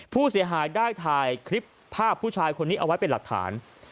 ผู้เสียหายได้ถ่ายคลิปภาพผู้ชายคนนี้เอาไว้เป็นหลักฐาน